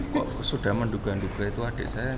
kok sudah menduga duga itu adik saya